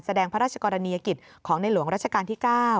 แสดงพระราชกรณียกิจของในหลวงรัชกาลที่๙